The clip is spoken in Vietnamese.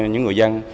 những người dân